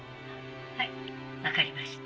☎はい分かりました